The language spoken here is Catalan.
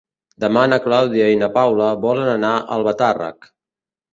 Demà na Clàudia i na Paula volen anar a Albatàrrec.